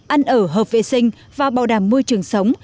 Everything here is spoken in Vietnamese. ăn ở hợp vệ sinh và bảo đảm môi trường sống